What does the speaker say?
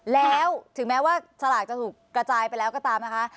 แล้วถึงแม้ว่าสลากจะถูกกระจายไปแล้วก็ตามนะคะ